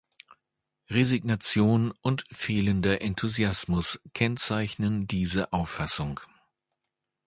Resignation und fehlender Enthusiasmus kennzeichnen diese Auffassung.